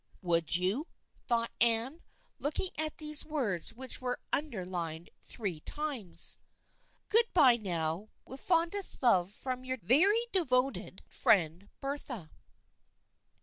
'" ("Would you?" thought Anne, looking at these words which were under lined three times.) " Good bye now, with fondest love from your very devoted friend, Bertha."